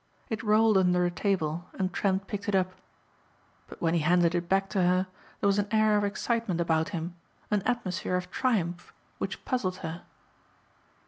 It rolled under a table and Trent picked it up. But when he handed it back to her there was an air of excitement about him, an atmosphere of triumph which puzzled her.